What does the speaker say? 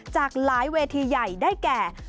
จากหลายเวทีใหญ่ได้แก่